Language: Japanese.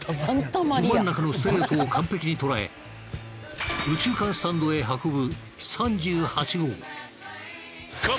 ど真ん中のストレートを完璧にとらえ右中間スタンドへ運ぶ３８号。